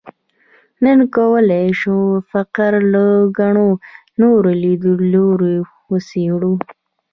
نن کولای شو فقر له ګڼو نورو لیدلوریو وڅېړو.